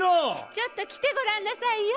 ちょっときてごらんなさいよ。